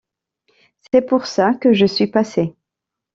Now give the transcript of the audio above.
C’est pour ça que je suis passé.